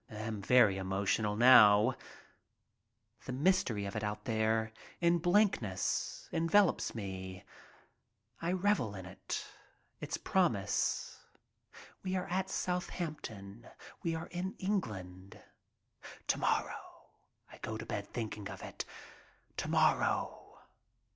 Am very emotional now. The mystery of it out there in blackness envelops me. I revel in it — its promise. We are at Southampton. We are in England. To morrow! I go to bed thinking of it. To morrow!